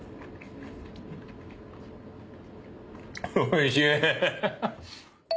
おいしい！